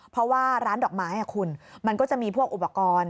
เพราะว่าร้านดอกไม้คุณมันก็จะมีพวกอุปกรณ์